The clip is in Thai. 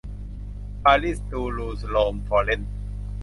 ปารีสตูลูสโรมฟอร์เร้น